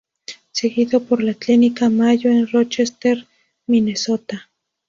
Seguido por la Clínica Mayo en Rochester, Minnesota.